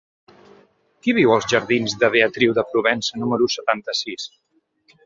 Qui viu als jardins de Beatriu de Provença número setanta-sis?